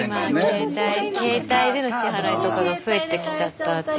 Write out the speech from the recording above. スタジオ携帯での支払いとかが増えてきちゃったっていう。